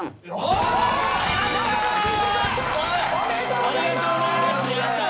ありがとうございます。